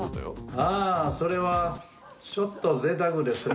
ああ、それは、ちょっとぜいたくですね。